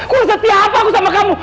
aku enggak setia apa aku sama kamu